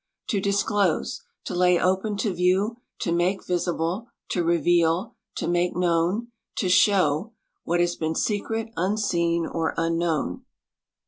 To disclose; to lay open to view; to make visible; to reveal ; to make known ; to show ^what has been secret, unseen, or unknown!.